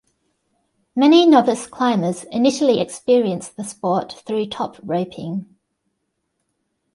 Many novice climbers initially experience the sport through top-roping.